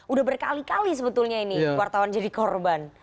udah berkali kali sebetulnya ini wartawan jadi korban